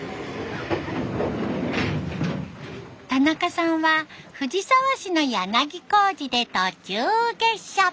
田中さんは藤沢市の柳小路で途中下車。